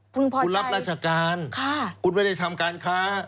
พอคุณรับราชการคุณไม่ได้ทำการค้า